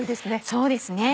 そうですね。